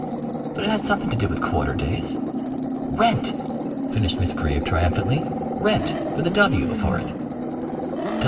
But it had something to do with quarter days. Rent!" finished Miss Greeb triumphantly. "Rent, with a 'W' before it."